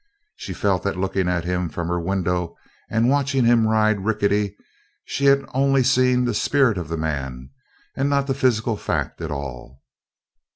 She felt that looking at him from her window and watching him ride Rickety she had only seen the spirit of the man and not the physical fact at all.